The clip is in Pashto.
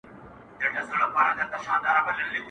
که تورات دی که انجیل دی، که قرآن دی که بگوت دی~